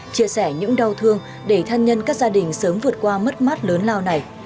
chia sẻ những đau thương để thân nhân các gia đình sớm vượt qua mất mát lớn lao này